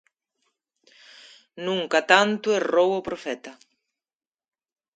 Nunca tanto errou o profeta.